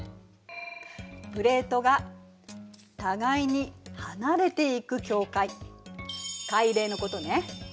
プレートが互いに離れていく境界海嶺のことね。